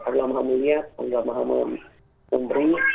allah maha mulia allah maha memberi